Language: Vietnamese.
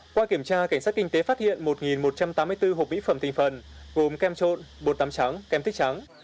qua kiểm tra cảnh sát kinh tế phát hiện một một trăm tám mươi bốn hộp mỹ phẩm thành phần gồm kem trộn bột tắm trắng kem tích trắng